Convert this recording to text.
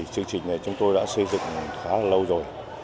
chương trình này chúng tôi đã xây dựng khá là lâu rồi